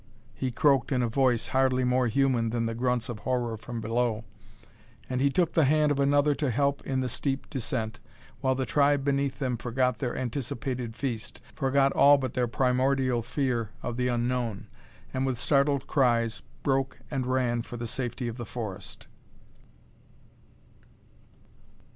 he croaked in a voice hardly more human than the grunts of horror from below, and he took the hand of another to help in the steep descent while the tribe beneath them forgot their anticipated feast, forgot all but their primordial fear of the unknown, and, with startled cries, broke and ran for the safety of the forest....